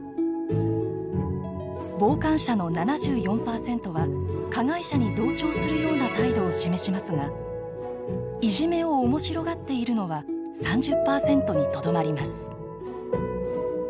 傍観者の７４％は加害者に同調するような態度を示しますがいじめを面白がっているのは３０％にとどまります。